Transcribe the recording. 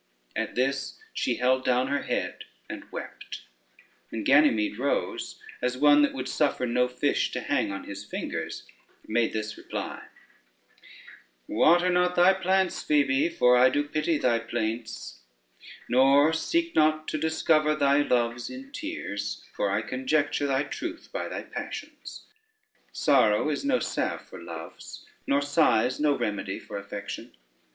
At this she held down her head and wept, and Ganymede rose as one that would suffer no fish to hang on his fingers, made this reply: "Water not thy plants, Phoebe, for I do pity thy plaints, nor seek not to discover thy loves in tears, for I conjecture thy truth by thy passions: sorrow is no salve for loves, nor sighs no remedy for affection.